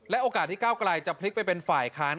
โอกาสที่ก้าวไกลจะพลิกไปเป็นฝ่ายค้าน